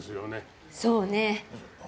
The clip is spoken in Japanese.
そうね。